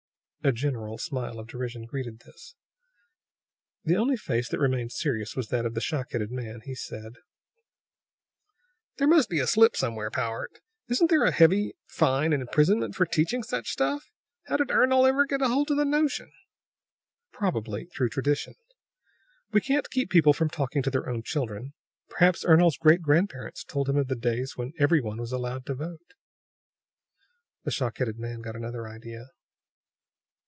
A general smile of derision greeted this. The only face that remained serious was that of the shock headed man. He said: "There must be a slip somewhere, Powart. Isn't there a heavy fine and imprisonment for teaching such stuff? How did Ernol ever get hold of the notion?" "Probably through tradition. We can't keep people from talking to their own children; perhaps Ernol's great grandparents told him of the days when every one was allowed to vote." The shock headed man got another idea.